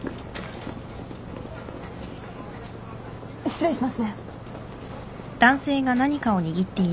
失礼しますね。